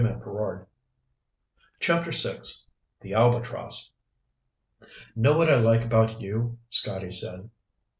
CHAPTER VI The "Albatross" "Know what I like about you?" Scotty said.